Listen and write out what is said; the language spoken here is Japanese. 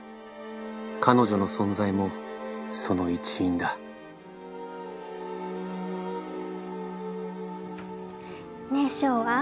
彼女の存在もその一因だねえショウアン。